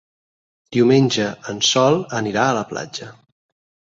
Diumenge en Sol anirà a la platja.